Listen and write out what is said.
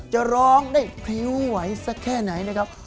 จะร้องได้พริ้วไหวสักแค่ไหนนะครับ